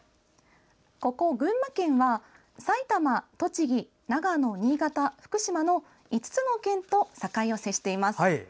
ここ群馬県は埼玉、栃木、長野、新潟、福島の５つの県と境を接しています。